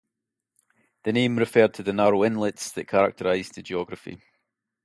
The name referred to the narrow inlets that characterized the geography.